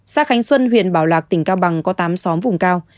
xã khánh xuân huyện bảo lạc tỉnh cao bằng có tám xóm vùng cao